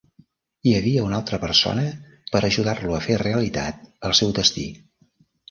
Hi havia una altra persona per ajudar-lo a fer realitat el seu destí.